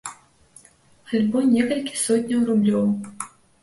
Альбо некалькі сотняў рублёў.